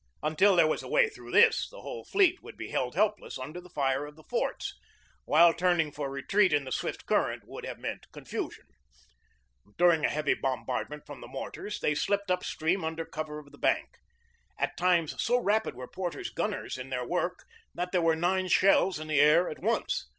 Until there was a way through this, the whole fleet would be held helpless under the, fire of the forts; while turning for retreat in the swift current would have meant confusion. During a heavy bombardment from the mortars they slipped upstream under cover of the bank. At times so rapid were Porter's gunners in their work that there were nine shells in the air at once.